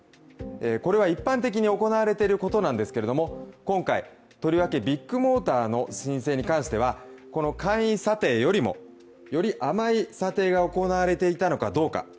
これは一般的に行われていることなんですけれども今回、とりわけビッグモーターの申請に関しては、この簡易査定よりも、より甘い査定が行われていたのかどうか。